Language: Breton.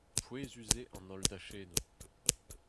Pouezus eo an holl dachennoù.